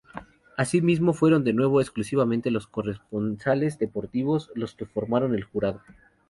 Así fueron de nuevo y exclusivamente los corresponsales deportivos los que formaron el jurado.